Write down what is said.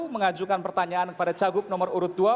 mengajukan pertanyaan kepada cagup nomor urut dua